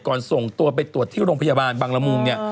ส่งตัวไปตรวจที่โรงพยาบาลบังละมุงเนี่ย